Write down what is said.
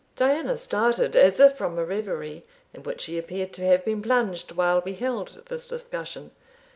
Diana started, as if from a reverie, in which she appeared to have been plunged while we held this discussion.